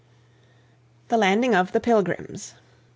THE LANDING OF THE PILGRIMS.